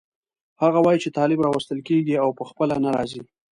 هغه وایي چې طالب راوستل کېږي او په خپله نه راځي.